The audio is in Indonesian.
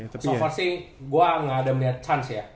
so far sih gue gak ada melihat chance ya